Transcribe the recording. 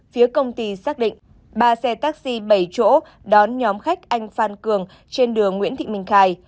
phía công ty xác định ba xe taxi bảy chỗ đón nhóm khách anh phan cường trên đường nguyễn thị minh khai